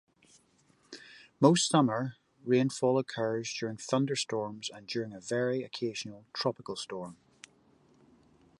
Most summer rainfall occurs during thunderstorms and during a very occasional tropical system.